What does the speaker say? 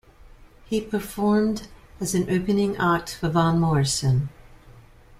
He performed as an opening act for Van Morrison.